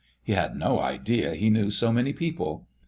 He had no idea he knew so many people....